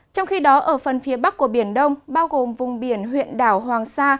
trong khi đó ở phần phía bắc của biển đông bao gồm vùng biển huyện đảo hoàng sa